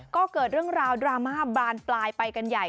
ก็เกิดเรื่องราวดราม่าบานปลายไปกันใหญ่